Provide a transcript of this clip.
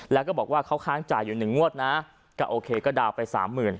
แล้วก็บอกว่าเขาค้างจ่ายอยู่หนึ่งงวดนะก็โอเคก็ดาวน์ไปสามหมื่น